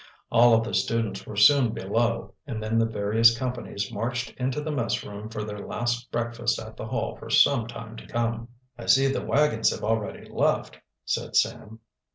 All of the students were soon below, and then the various companies marched into the messroom for their last breakfast at the Hall for some time to come. "I see the wagons have already left," said Sam.